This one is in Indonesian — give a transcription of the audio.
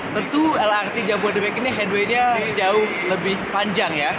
tentu lrt jabodebek ini headway nya jauh lebih panjang ya